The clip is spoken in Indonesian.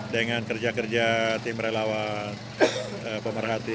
dengan kerja kerja tim relawan pemerhati